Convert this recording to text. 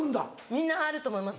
みんなあると思います